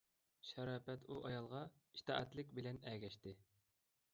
شاراپەت ئۇ ئايالغا ئىتائەتلىك بىلەن ئەگەشتى.